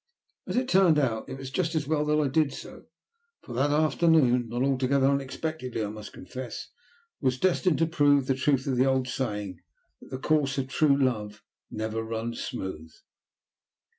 As it turned out it was just as well that I did so, for that afternoon, not altogether unexpectedly I must confess, was destined to prove the truth of the old saying that the course of true love never runs smooth.